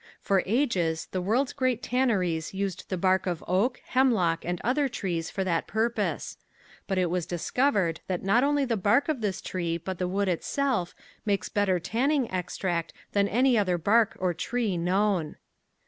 For ages the world's great tanneries used the bark of oak, hemlock and other trees for that purpose. But it was discovered that not only the bark of this tree but the wood itself makes better tanning extract than any other bark or tree known.